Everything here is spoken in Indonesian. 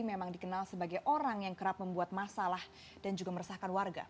memang dikenal sebagai orang yang kerap membuat masalah dan juga meresahkan warga